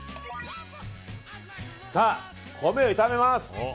さあ、米を炒めます！